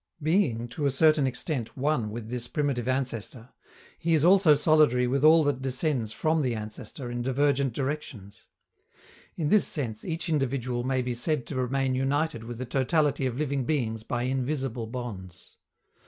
Being, to a certain extent, one with this primitive ancestor, he is also solidary with all that descends from the ancestor in divergent directions. In this sense each individual may be said to remain united with the totality of living beings by invisible bonds.